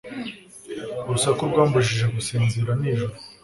Urusaku rwambujije gusinzira nijoro